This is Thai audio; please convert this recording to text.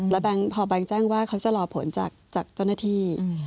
แล้วพอแบงค์แจ้งว่าเขาจะรอผลจากเจ้าหน้าที่